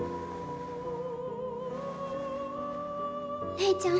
玲ちゃん。